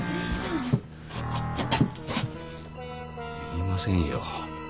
言いませんよ。